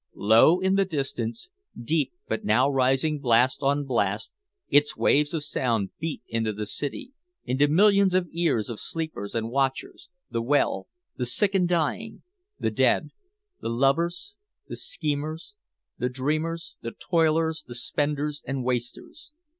Low in the distance, deep but now rising blast on blast, its waves of sound beat into the city into millions of ears of sleepers and watchers, the well, the sick and the dying, the dead, the lovers, the schemers, the dreamers, the toilers, the spenders and wasters.